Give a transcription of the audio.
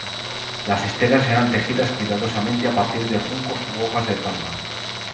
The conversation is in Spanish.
Las esteras eran tejidas cuidadosamente a partir de juncos u hojas de palma.